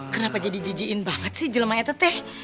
kenapa jadi jijiin banget sih jelemahnya teteh